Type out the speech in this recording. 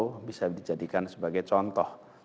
itu bisa dijadikan sebagai contoh